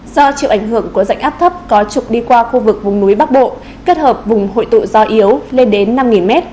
do chiều ảnh hưởng của dạnh áp thấp có trục đi qua khu vực vùng núi bắc bộ kết hợp vùng hội tụ do yếu lên đến năm m